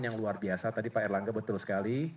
yang luar biasa tadi pak erlangga betul sekali